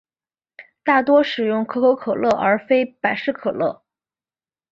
大多使用可口可乐而非百事可乐。